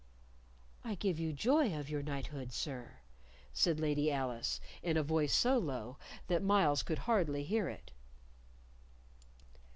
"I give you joy of your knighthood, sir," said Lady Alice, in a voice so low that Myles could hardly hear it.